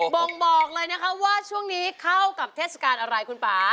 ่งบอกเลยนะคะว่าช่วงนี้เข้ากับเทศกาลอะไรคุณป่า